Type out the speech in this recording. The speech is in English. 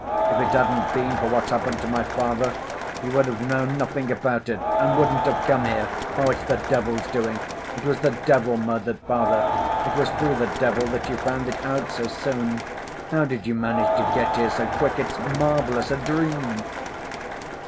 If it hadn't been for what's happened to my father, you would have known nothing about it, and wouldn't have come here. Oh, it's the devil's doing. It was the devil murdered father, it was through the devil that you found it out so soon. How did you manage to get here so quick? It's marvelous, a dream!"